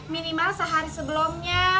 minimal sehari sebelumnya